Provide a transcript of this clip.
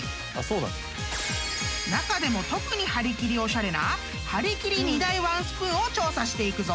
［中でも特に張り切りおしゃれなはりきり２大ワンスプーンを調査していくぞ！］